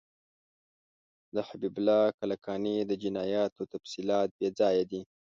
د حبیب الله کلکاني د جنایاتو تفصیلات بیځایه دي.